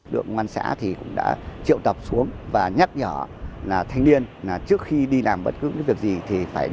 được ngoan xã thì cũng đã triệu tập xuống và nhắc nhỏ là thanh niên là trước khi đi làm bất cứ việc gì